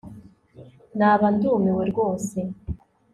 naba ndumiwe rwose